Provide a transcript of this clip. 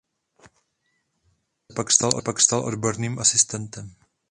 Tam se pak stal odborným asistentem.